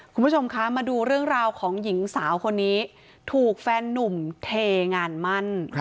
คุณผู้ชมคะมาดูเรื่องราวของหญิงสาวคนนี้ถูกแฟนนุ่มเทงานมั่น